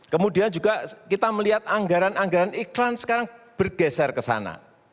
kemudian juga kita melihat anggaran anggaran iklan sekarang bergeser ke sana